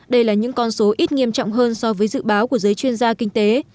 đây là những con số ít nghiêm trọng hơn so với dự báo của giới chuyên gia kinh tế